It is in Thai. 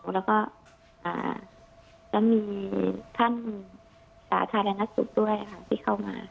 และมีท่านศาสนสุขด้วยที่เข้ามา